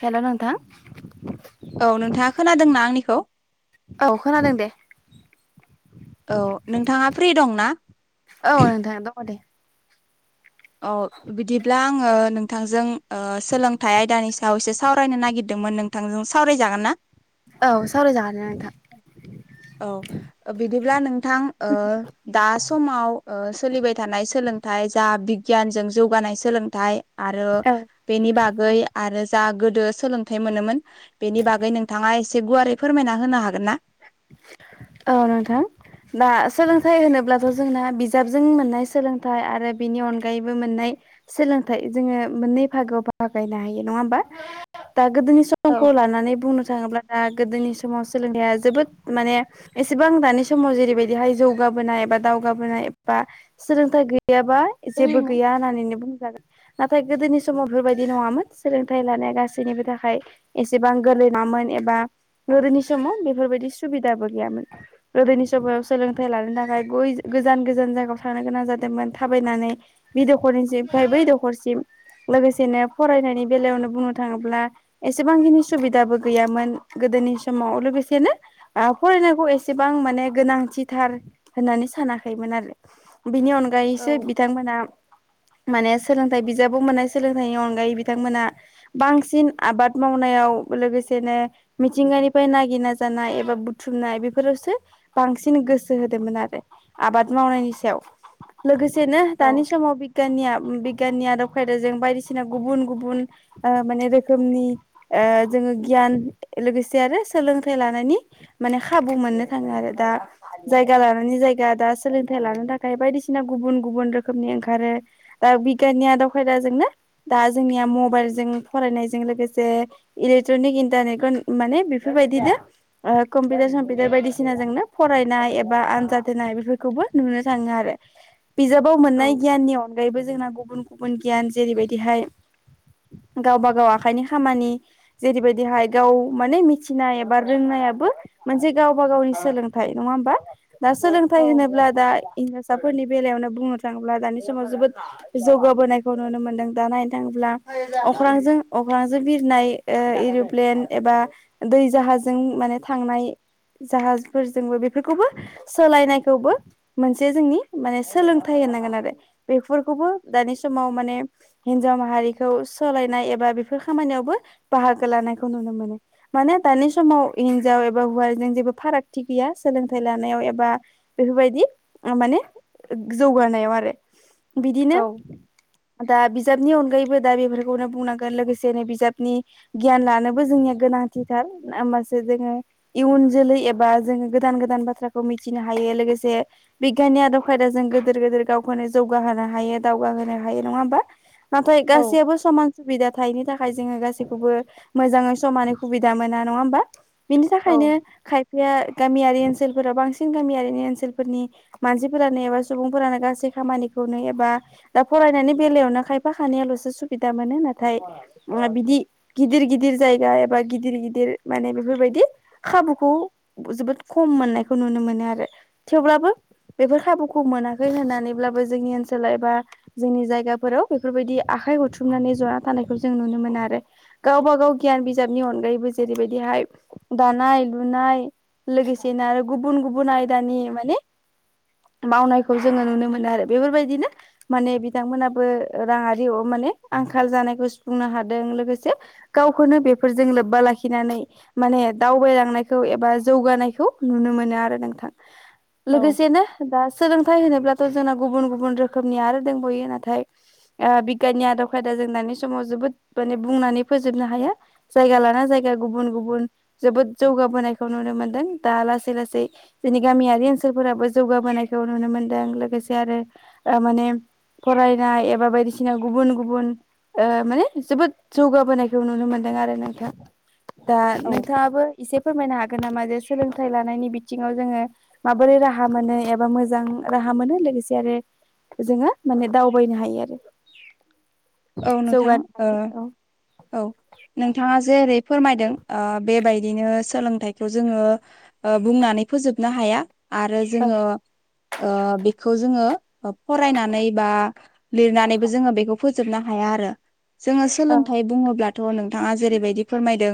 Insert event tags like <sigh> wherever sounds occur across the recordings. Hello नोंथां औ नोंथाङा खोनादोंना आंनिखौ? औ खोनादों दे औ नोंथाङा फ्रि दं ना? दं दे। औ बिदिब्ला आं आङो नोंथांजों ओ सोलोंथाइ आयदानि सायाव एसे सावरायनो नागिरदोंमोन नोंथांजों सावरायजागोन ना? औ सावरायजागोन औ नोंथां। बिदिब्ला नोंथां ओ दा ओ समाव सोलिबाय थानाय सोलोंथाइ जा बि गियानजों जौगानाय सोलोंथाइ आरो औ बेनि बागै आरो जा गोदो सोलोंथाइ मोनोमोन बेनि बागै नोंथाङा एसे गुवारै फोरमायना होनो हागोन ना। <inaudible> औ नोंथां। दा सोलोंथाइ होनोब्लाथ' जोंना बिजाबजों मोननाय सोलोंथाइ आरो बेनि अनगायैबो मोननाय सोलोंथाइ जोङो मोननै फागोआव बाहागायनो हायो नङा होमबा। दा गोदोनि औ समखौ लानानै बुंनो थाङोब्ला दा गोदोनि समाव सोलोंथाइा जोबोद माने एसेबां दानि समाव जेरैबायदिहाय जौगाबोनाय एबा दावगाबोनाय एबा सोलोंथाइ गै गैयाबा औ जेबो गैया होननानैनो बुंजागोन‌। नाथाय गोदोनि समाव बेफोरबायदि नङामोन सोलोंथाइ लानाया गासैनिबो थाखाय एसेबां गोरलै नङा मोन एबा गोदोनि समाव बेफोरबायदि सुबिदाबो गैयामोन गोदोनि समायाव सोलोंथाइ लानो थाखाय गै गोजान गोजान जायगायाव थांनो गोनां जादों। दोंमोन थाबायनानै बे दखरनिम ओमफ्राय बै दखरसिम। लोगोसेनो फरायनायनि बेलायावनो बुंनो थाङोब्ला एसेबांखिनि सुबिदाबो गैयामोन गो दोनिसमाव लोगोसेनो ओ फरायनायखौ एसेबां माने गोनांथिथार होननानै सानाखैमोन आरो बिनि औ अनगायैसो बिथांमोना माने सोलोंथाइ बिजाबबो मोननाय सोलोंथाइनि अनगायै बिथांमोना बांसिन आबाद मावनाय आव लोगोसेनो मिथिंगानिफ्राय नागिरना जानाय एबा बुथुमनाय बेफोरावसो बांसिन गोसो होदोंमोन आरो आबाद मावनायनि सायाव लोगोसेनो दानि औ समाव बिगियान बिगियाननि आदब खाय बायदिसिनख गुबुन गुबुन रोखोमनि ओ जोङो ओ गियान लोगोसे आरो सोलोंथाइ लानायनि माने खाबु मोननो थाङो आरो दा जायगा लानानै जायगा दा सोलोंथायाइ लानो थाखाय बायदिसिना गुब गुबुन गुबुन रोखोमनि ओंखारो दा बिगियाननि आदब खायदाजोंनो दा जोंनिया मबाइल जों फरायनायजों लोगोसे इलेकट्रनिक इन्टारनेट माने बेफोरबायदिनो कम्पिटार समम्पिटार बायदिसिनाजोंनो फरायनाय एबा आनजाद होनाय बेफोरखौबो नुनो थाङो आरो बिजाबाव मोननाय गियाननि अनगायैबो जोंना गुबुन गुबुन गियान जेरैबायदिहाय गावबा गाव आखाइनि खामानि जेरैबायदिहाय गाव माने मिथिनाय एबा रोंनायाबो मोनसे गावबा गावनि सोलोंथाइ नङा ओमबा दा सोलोंथाइ औ होनोब्ला दा इं फिसाफोरनि बेलायावनो बुंनो थाङोब्ला दानि समाव जोबोद जौगाबोनायखौ नुनो मोन्दों दा नायनो थाङोब्ला अख्रांजों अख्रांजों बिरनाय एर'प्लेन एबा दै जाहाजों माने थांनाय। जाहाजफोरजोंबो बेफोरखौबो सोलायनायखौबो मोनसे जोंनि माने सोलोंथाइ आरो बेफोरखौबो दानि समाव माने हिनजाव माहारिखौ सोलायनाय एबा खामानियावबो बाहागो लानायखौ नुनो मोन मान दानि समाव हिनजाव एबा हौवाजों जेबो फारागथि गैया सोलोंथाइ लानायाव एबा बेफोरबायदि माने जौगानायाव आरो बिदिनो। दा बिजाबनि अनगायैबो दा बेफोरखौनो बुंनांगोन लोगोसेनो बिजाबनि गियान लानोबो जोंनिया गोद गोनांथिथार होमबासो जोङो इयुन जोलै एबा जोङो गोदान गोदान बाथ्राखौ मिथिनो हायो लोगोसे बिगियाननि आदब खायदा जों गेदोर गिदोर गावखौनो जौगाहोनो हायो दावगाहोनो हायो नङा ओमबा? नाथाय औ गासैयाबो सामान सुबिदा थायोनि थाख खाय जोङो गासैखौबो मोजाङै समानो खुबिदा मोना नङा ओमबा? बिनि औ थाखायनो खायफाया गामियारि ओनसोलफोराव बांसिन गामियारिनि ओनसोलफोरनि मानसिफोरानो एबा सुबुंफोरानो गासै खामानि एबा फनायनि बेलायावनो खायफा ख' सुबिदा मोना बि गिदिर गिदिर जायगा एबा गिदिर गिदिर माने बेफोरबायदि बि खाबुखौ जोबोद खम मोननायखौ नुनो मोनो आरो थेवब्लाबो बेफोर खाबुखौ मोनाखै होननानैब्लाबो जोंनि ओनसोलाव एबा जोंनि जायगाफोराव बेफोरबायदि आख आखाइ हरथ्रुमनानै जना थानायखौ जों नुनो मोनो आरो गावबा गाव गियान बिजाबनि अनगायैबो जेरैबायदिहाय दानाय लुनाय लोगोसेनो आरो गुबुन गुबुन आयदानि माने मावनायखौ जोङो नुनो मोनो आरो बेफोरबायदिनो माने बिथांमोनाबो राङारि ह मा आंखाल जानायखौ सुफुंनो हादों लोगोसे गावखौनो बेफोरजों लोब्बा लाखिनानै माने दावबायलांनायखौ एबा जौगानायखौ नुनो मोनो आरो नोंथां। औ लोगोसे ना दा सोलों थाय होनोब्लाथ' जोंना गुबुन गुबुन रोखोमनि आरो दोंबयो नाथाय बिगियाननि आदब खायदा जों दानि समाव जोबोद माने बुंनानै फोजोबनो हाया जायगा लाना जायगा गुबुन गुबुन जोबोद जौगाबोनायखौ नुनो मोनदों दा लासै लासै जोंनि गामियारि ओनसोलफोराबो जौगाबोनायखौ नुनो मोनदों लोगोसे आरो माने फरायनाय एबा बायदिसिना गुबुन गुबुन माने जोबोद जौगाबोनायखौ नुनो मोनदों आरो नोंथाङ दा नों औ आबो इसे फोरमायनो हागोन नामा जे सोलोंथाइ लानायनि बिथिङाव जोङो माबोरै राहा मोन एबा मोज मोजां राहा मोनो लोगोसे आरो जोङो माने दावबायनो हायो आरो औ नोंथां जौगानो ओ हायो औ नोंथाङा जेरै फोरमायदों बेबायदिनो सोलोंथाइखौ जोङो बुंनानै फोजोबनो हाया आरो औ जोङो बेखौ जोङो फरायनानै बा लिरनानैबो जोङो बेखौ फोजोबनो हाया आरो जोङो औ सोलोंथाइ बुङोब्ला थ नोंथाङा जेरैबायदि फोरमायदों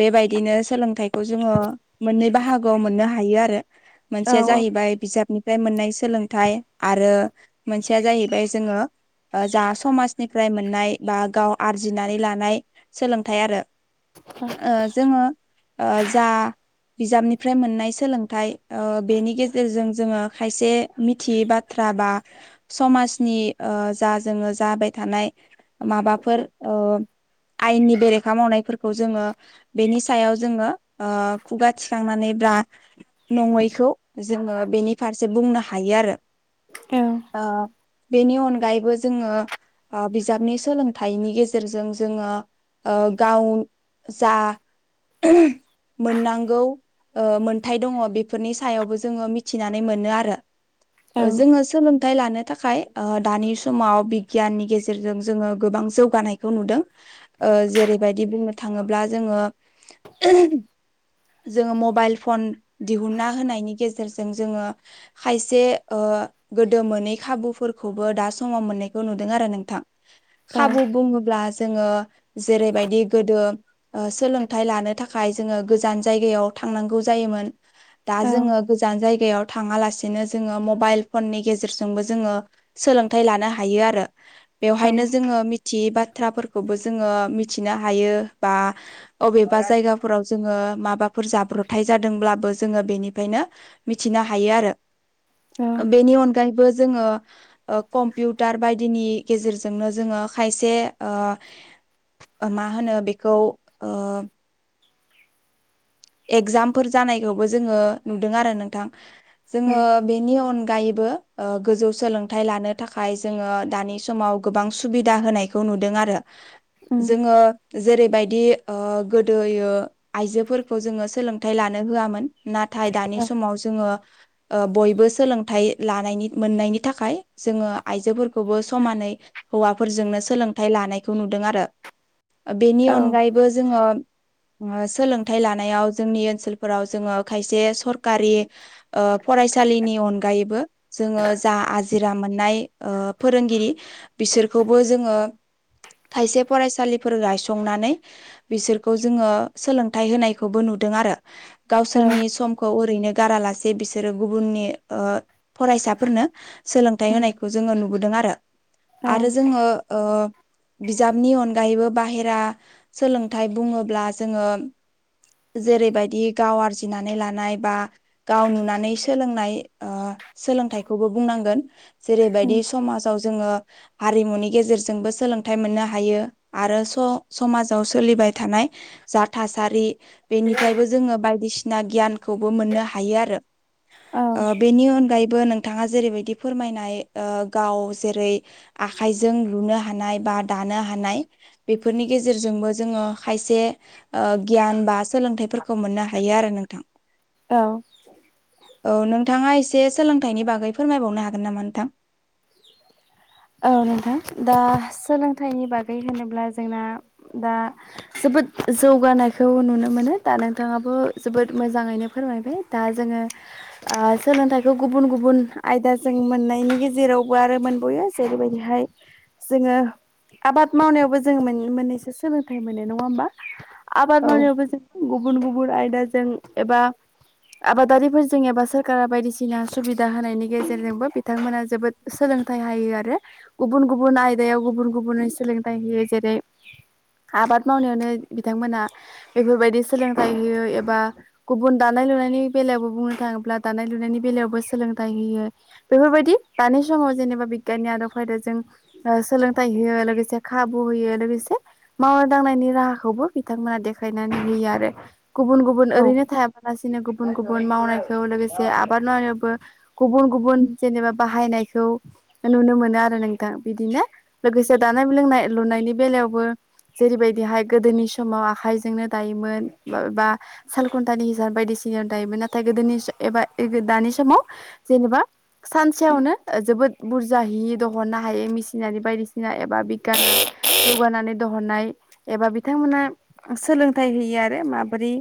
बेबायदिनो सोलोंथाइखौ जोङो मोननै बाहागोआव मोननो हायो आरो औ मोनसेया जाहैबाय बिजाबनि फ्राय मोननाय सोलोंथाइ आरो मोनसेया जाहैबाय जोङो जा समाज निफ्राय मोननाय बा गाव आरजिनानै लानाय सोलोंथाइ आरो जोङो जा बिजाबनिफ्राय मोननाय सोलोंथाइ बेनि गेजेरजों जोङो खायसे मिथियै बाथ्रा। बा समनि जा जोङो जााय। थानाय माबाफोर आयेननि बेरेखा मावनायफोरखौ जोङो बेनि सायाव जोङो खुगा थिखांनानै। दा नङैखौ जोङो बेनि फारसे बुंनो हायो आरो। औ बेनि अनगायैबो जोङो। बिजाबनि सोलोंथाइनि गेजेरजों जोङो गाव। जा मोननांगौ मोनथाय दङ बेफोरनि सायावबो जोङो मिथिनानै मोनो आरो। औ जोङो सोलोंथाइ लानो थाखाय दानि समाव बिगियाननि गेजेराव। गेजेरजों जोङो गोबां जौगानायखौ नुदों जेरैबायदि बुंनो थाङोब्ला जोङो। <unintelligible> जोङो मबाइल फन दिहुनना होनायनि गेजेरजों जोङो खायसे गोदो मोनै खाबुफोरखौबो दा समाव मोननायखौ नुदों आरो नों। औ खाबु बुंङोब्ला। जोङो जेरैबायदि गोदो ओ सोलोंथाइ लानो थाखाय जोङो गोजान जायगायाव थ थांनांगौ जायोमोन दा जोङो गोजान जायगायाव थाङालासिनो जोङो मबाइल फननि गेजेरजोंबो जोङो सोलोंथाइ लानो हायो आरो। औ बेवहायनो जोङो मिथियै बाथ्राफोरखौबो जोङो मिथिनो हायो बा अबेबा जायगाफोराव जोङो माब हाफोर ज्राब्रबथाय जादोंब्लाबो जोङो बेनिफायनो मिथिनो हायो आरो। बेनि अनगायैबो जोङो ओ कम्पिउटार बायदिनि गेजेरजोंनो जोङो खायसे ओ मा होनो बेखौ ओ एगजामफोर जानायखौबो जोङो नुदों आरो नोंथां जोङो बेनि अनग गायैबो ओ गोजौ सोलोंथायाइ लानो थाखाय जोङो दानि समाव गोबां सुबिदा होनायखौ नुदों आरो। जोङो जेरैबायदि ओ गोदोयो आइजोफोर खौ जोङो सोलोंथायाइ लानो होआमोन नाथाय दानि समाव जोङो बयबो सोलोंथाइ लानायनि मोननायनि थाखाय जोङो आइजोफोरखौबो समानै हौवाफोरजोंनो सोलोंथाइ लानायखौ नुदों आरो। बेनि अनगायैबो जोङो सोलों थाय लानायाव जोंनि ओनसोलफोराव जोङो खायसे सरकारि ओ फरायसालिनि अनग गायैबो जोङो जा आजिरा मोननाय ओ फोरोंगिरि बिसोरखौबो जोङो खायसे फरायसालिफोर गायसंनानै बिसोरखौ जोङो सोलों थाय होनायखौबो नुदों आरो गावसोरनि समखौ ओरैनो गारालासे बिसोरो ओ गुबुननि फरायसाफोरनो सोलोंथाइ होनायखौ जोङो नुबोदों आरो आरो जोङो ओ बिजाबनि अनगायैबो बाहेरा सोलोंथाइ बुङोब्ला जोङो <unintelligible> जेरैबायदि गाव आरजिनानै लानाय बा गाव नुनानै सोलोंनाय ओ सोलोंथाइखौबो बुंनांगोन जेरैबायदि समाजाव जोङो हारिमुनि गेजेरजोंबो सोलोंथाइ मोननो हायो आरो समाजाव सोलिबाय थानाय जा थासा सारि बेनिफ्रायबो जोङो बायदिसिना गियानखौबो मोननो हायो आरो। औ ओ बेनि अनगायैबो नोंथाङा जेरैबायदि फोरमायनाय ओ गाव जेरै आखाइजों लुनो हा हानाय बा दानो हानाय बेफोरनि गेजेरजोंबो जोङो खायसे ओ गियान बा सोलोंथाइफोरखौ मोननो हायो आरो नोंथां। औ। औ नोंथाङा एसे सोलोंथाइनि बागै फोरमायबावनो हागोन नामा नोंथां। औ नोंथां दा सोलोंथाइनि बागै होनोब्ला जोंना दा जोबोद बोद जौगानायखौ नुनो मोनो दा नोंथाङाबो जोबोद मोजाङैनो फोरमायबाय दा जोङो ओ सोलोंथाइखौ गुबुन गुबुन आयदाजों मोननायनि गेजेरावबो आरो मोनबयो जेरैबायदिहाय जोङो आबाद मावनायावबो जोङो मोननैसो सोलोंथाइ मोनो नङा होमबा आबाद औ मावनायावबो जों गुबुन गुबुन आयदाजों एबा आबादारिफोरजों एबा सोरकारा बायदिसिना सुबिदा होनायनि गेजेरजोंबो बिथांमोना जोबोद सोलों थाइ हायो आरो गुबुन गुबुन आयदायाव गुबुन गुबुनै सोलोंथाइ होयो जेरै आबाद मावनायावनो बिथांमोनहा बेफोरबायदि सोलोंथाइ होयो एबा गुबुन दा नाय लुनायनि बेलावबो बुंनो थाङोब्ला दानाय लुनायनि बेलावबो सोलोंथाय होयो बेफोरबायदि दानि समाव जेनबा बि गियाननि आदब खायदाजों ओ सोलोंथाइ होयो लोगोसे खाबु होयो लोगोसे मावनाय दांनायनि राहाखौबो बिथांमोना देखायनानै होयो आरो। गुबुन गुबुन औ ओरैनो थायाबालासिनो गुबुन गुबुन मावनायखौ लोगोसे आ बादावबो गुबुन गुबुन जेनेबा बाहायनायखौ नुनो मोनो आरो नोंथां बिदिनो लोगोसे दानाय लोंनाय लुनायनि बेलायावबो जेरैबायदिहाय गोदोनि समाव आखायजोंनो दायोमोन बा सालकन्टानि हिसाब बायदिसिना याव दायोमोन नाथाय गोदोनि एबा दानि समाव जेनेबा सानसेयावनो जोबोद बुरजााहि दहननो हायो मेसिनारि बायदिसिना एबा बिथां जौगानानै दहननाय एबा बिथांमोना सोलोंथाइ होयो आरो माबोरै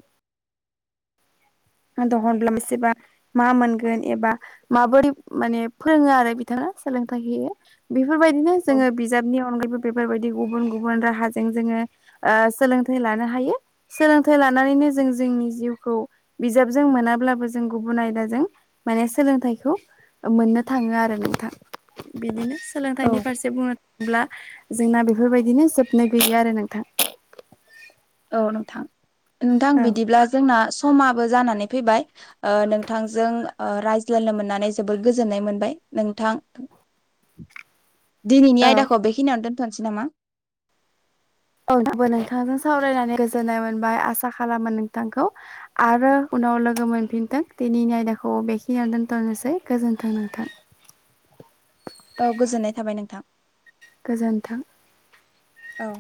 आ दहन्ला सेबा मा मोनगोन एबा माबोरै माने फोरोङो आरो बिथाङा सोलोंथाइ होयो बेफोरबायदिनो जोङो औ बिजाबनि अनगायैबो बेफोरबायदि गुबुन गुबुन राहाजों जोङो ओ सोलोंथाइ लानो हायो सोलोंथाइ लानानैनो जों जोंनि जिउखौ बिजाबजों मोनाब्लाबो जों गुबुन आयदाजों माने सोलोंथाइखौ मोननो थाङो आरो नोंथां बिदिनो सोलोंथाइनि फारसे बुङोब्ला जोंना बेफोरबायदिनो जोबनो गैया आरो नोंथां । औ नोंथां नोंथां बिदिब्ला जोंना समाबो जानानै फैबाय ओ नोंथांजों रायज्लायनो मोननानै जोबोर गोजोननाय मोनबाय नोंथां । दिनैनि औ आयदाखौ बेखिनियावनो दोन्थ'नोसै नामा? औआंबो नोंथांजों सावरायनानै गोजोननाय मोनबाय आसा खालामो नोंथांखौ आरो उनाव लोगो मोनफिनथों दिनैनि आयदाखौ बेखिनिययाव दोनथ'नोसै गोजोनथों नोंथां । औ गोजोननाय थाबाय नोंथां गोजोन्थों । औ